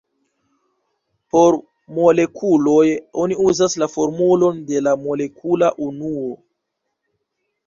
Por molekuloj, oni uzas la formulon de la molekula unuo.